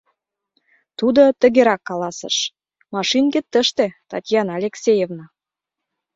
Тудо тыгерак каласыш: «Машинкет тыште, Татьяна Алексеевна.